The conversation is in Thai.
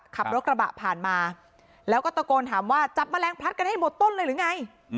ขับรถกระบะผ่านมาแล้วก็ตะโกนถามว่าจับแมลงพลัดกันให้หมดต้นเลยหรือไง